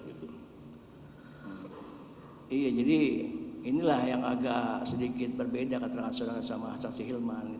iya jadi inilah yang agak sedikit berbeda katakan saudara saya sama saksi ilman